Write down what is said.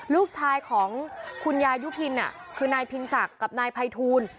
ลูกชายของคุณยายุพินคือนายพินศักดิ์กับนายภัยทูล